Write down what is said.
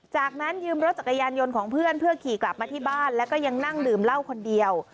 จากนั้นยืมรถจักรยานยนต์ของเพื่อนเพื่อขี่กลับมาที่บ้านแล้วก็ยังนั่งดื่มเหล้าคนเดียว